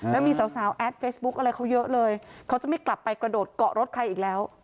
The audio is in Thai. แล้วมีสาวแอดเฟซบุ๊คอะไรเขาเยอะเลยเขาจะไม่กลับไปกระโดดเกาะรถใครอีกแล้ว